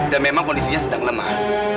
dan memang kondisinya sedang lemah